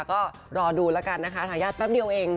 ก็รอดูแล้วกันนะคะทายาทแป๊บเดียวเอง